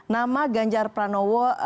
nama ganjar pranowo